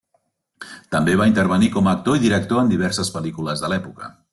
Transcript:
També va intervenir com a actor i director en diverses pel·lícules de l'època.